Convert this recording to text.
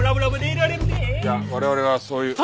いや我々はそういう。